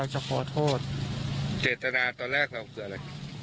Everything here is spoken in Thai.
เจตนาตอนแรกว่าคืออะไร